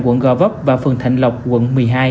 quận gò vấp và phường thạnh lộc quận một mươi hai